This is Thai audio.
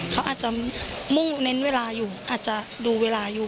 เขาอาจจะมุ่งเน้นเวลาอยู่อาจจะดูเวลาอยู่